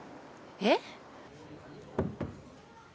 えっ？